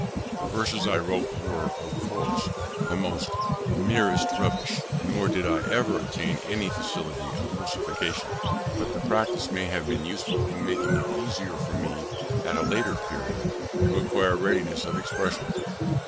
The verses I wrote were, of course, the merest rubbish, nor did I ever attain any facility of versification, but the practice may have been useful in making it easier for me, at a later period, to acquire readiness of expression.